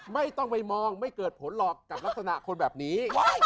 ไม่ต้องไปมองไม่เกิดผลหรอกกับลักษณะคนแบบนี้